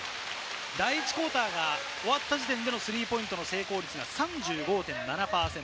第１クオーターが終わった時点でのスリーポイント成功率は３５．７％。